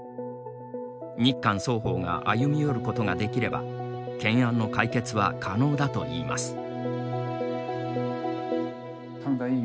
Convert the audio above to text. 日韓双方が歩み寄ることができれば懸案の解決は可能だといいます。